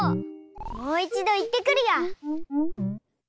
もういちどいってくるよ！